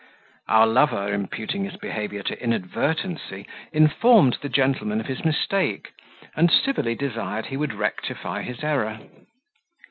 Our lover, imputing his behaviour to inadvertency, informed the gentleman of his mistake, and civilly desired he would rectify his error.